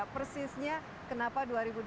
persisnya kenapa dua ribu dua puluh